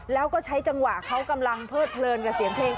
แล้วก็ใช้จังหวะเขากำลังเพิดเพลินกับเสียงเพลง